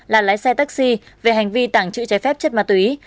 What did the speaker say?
là lái xe taxi về hành vi tàng trữ trái phép chất ma túy